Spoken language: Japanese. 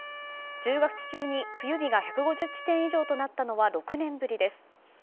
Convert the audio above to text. １０月中に冬日が１５０地点以上となったのは６年ぶりです。